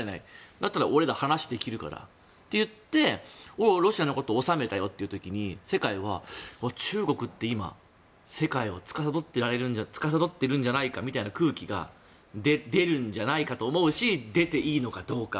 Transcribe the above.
だったら俺が話できるからといってロシアのことを収めたよといった時に世界が中国って今、世界をつかさどってるんじゃないかみたいな空気が出るんじゃないかと思うし出ていいのかどうか。